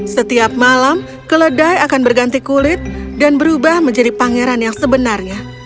setiap malam keledai akan berganti kulit dan berubah menjadi pangeran yang sebenarnya